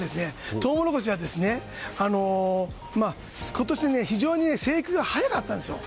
トウモロコシは今年、非常に生育が早かったんですよ。